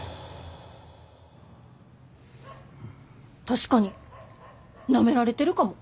確かになめられてるかも。